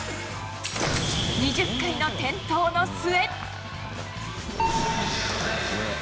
２０回の転倒の末。